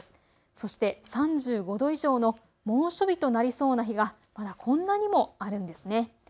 そして３５度以上の猛暑日となりそうな日がまだこんなにもあるんですね。